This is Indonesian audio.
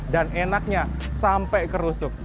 dan enaknya sampai kerusuk